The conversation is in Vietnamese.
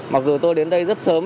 mặc dù tôi đến đây rất sớm